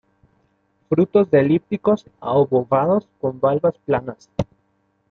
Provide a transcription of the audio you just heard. Frutos de elípticos a obovados, con valvas planas.